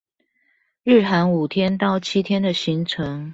日韓五天到七天的行程